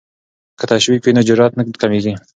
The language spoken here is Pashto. که تشویق وي نو جرات نه کمېږي.